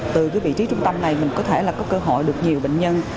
từ vị trí trung tâm này mình có thể có cơ hội được nhiều bệnh nhân